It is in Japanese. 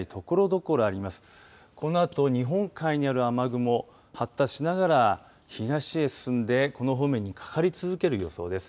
このあと日本海にある雨雲発達しながら東へ進んでこの方面にかかり続ける予想です。